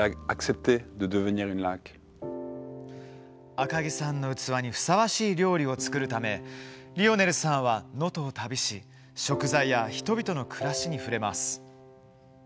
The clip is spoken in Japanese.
赤木さんの器にふさわしい料理を作るためリオネルさんは能登を旅し食材や人々の暮らしに触れます。